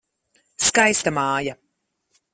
Skaista māja.